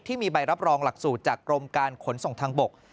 ที่มีใบรับรองหลักสูตรจากกรมการขนส่งทางบก